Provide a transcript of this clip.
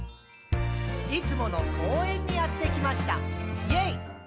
「いつもの公園にやってきました！イェイ！」